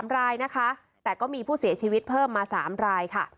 ๘๓รายก็มีผู้เสียชีวิตเพิ่มมา๓ราย